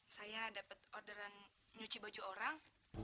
saya dapat orderan nyuci baju orang